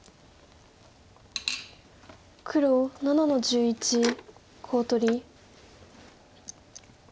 黒７の十一コウ取り。